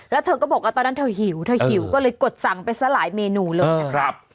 แล้วเธอก็บอกว่าตอนนั้นเธอหิวเธอหิวก็เลยกดสั่งไปซะหลายเมนูเลยนะครับ